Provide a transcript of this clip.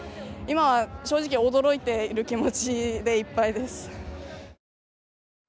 今は、正直驚いている気持ちでいっぱいです。